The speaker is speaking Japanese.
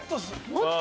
もっと？